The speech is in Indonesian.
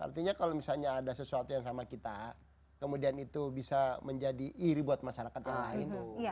artinya kalau misalnya ada sesuatu yang sama kita kemudian itu bisa menjadi iri buat masyarakat yang lain